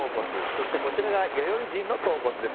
そしてこちらが弥生人の頭骨ですね。